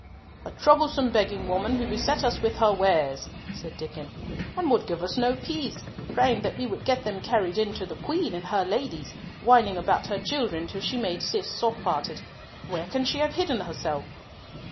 "A troublesome begging woman who beset us with her wares," said Diccon, "and would give us no peace, praying that we would get them carried in to the Queen and her ladies, whining about her children till she made Cis soft hearted. Where can she have hidden herself?"